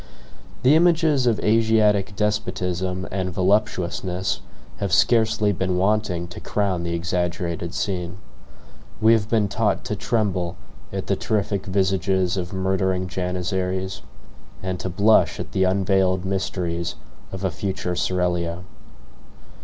The images of Asiatic despotism and voluptuousness have scarcely been wanting to crown the exaggerated scene. We have been taught to tremble at the terrific visages of murdering janizaries, and to blush at the unveiled mysteries of a future seraglio.